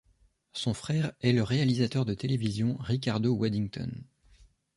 Son frère est le réalisateur de télévision Ricardo Waddington.